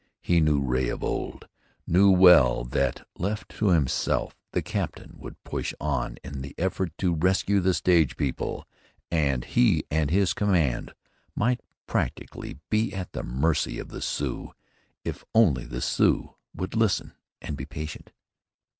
He knew Ray of old; knew well that, left to himself, the captain would push on in the effort to rescue the stage people and he and his command might practically be at the mercy of the Sioux, if only the Sioux would listen and be patient.